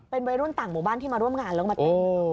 เป็นวัยรุ่นต่างหมู่บ้านที่มาร่วมงานแล้วมาแต่งงาน